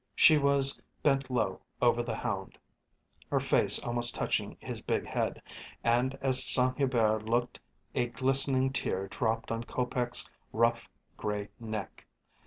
She was bent low over the hound, her face almost touching his big head, and as Saint Hubert looked a glistening tear dropped on Kopec's rough, grey neck.